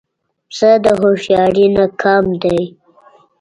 پسه د هوښیارۍ نه کم دی.